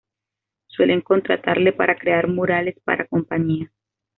Suelen contratarle para crear murales para compañías.